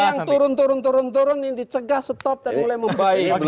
yang turun turun turun turun turun ini dicegah stop dan mulai membaik